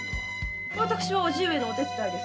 私は叔父上のお手伝いです。